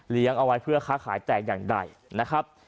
เอาไว้เพื่อค้าขายแต่อย่างใดนะครับ